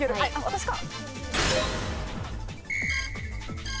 私か。